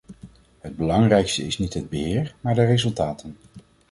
Het belangrijkste is niet het beheer, maar de resultaten.